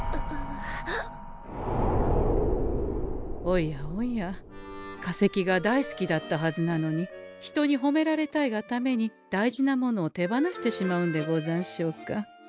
おやおや化石が大好きだったはずなのに人にほめられたいがために大事なものを手放してしまうんでござんしょうか。